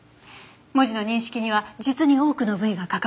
文字の認識には実に多くの部位が関わっているの。